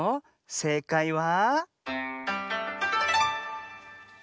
せいかいは。